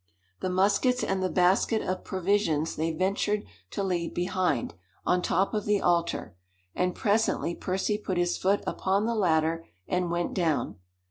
The muskets and the basket of provisions they ventured to leave behind, on top of the altar, and presently Percy put his foot upon the ladder and went down.